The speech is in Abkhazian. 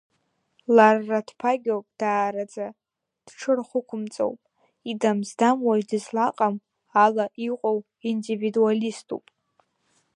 Ларра дԥагьоуп даараӡа, дҽырхықәымҵоуп, идам-здам уаҩ дызлаҟам ала иҟоу индивидуалиступ.